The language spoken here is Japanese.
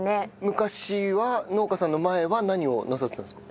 昔は農家さんの前は何をなさってたんですか？